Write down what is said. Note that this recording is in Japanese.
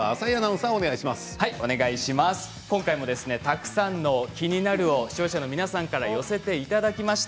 たくさんのキニナルを視聴者の皆さんから寄せていただきました。